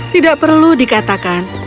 tidak perlu dikatakan